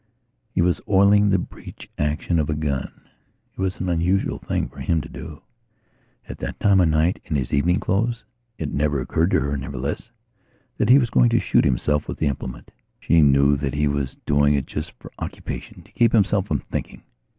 He was oiling the breech action of a gun. It was an unusual thing for him to do, at that time of night, in his evening clothes. It never occurred to her, nevertheless, that he was going to shoot himself with that implement. She knew that he was doing it just for occupationto keep himself from thinking.